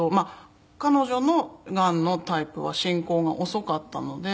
彼女のがんのタイプは進行が遅かったので幸い。